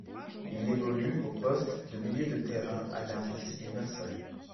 Il évolue au poste de milieu de terrain à l'Aris Limassol.